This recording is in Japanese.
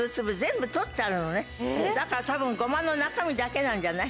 だから多分ゴマの中身だけなんじゃない？